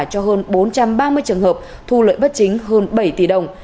cho hơn bốn trăm ba mươi trường hợp thu lợi bất chính hơn bảy tỷ đồng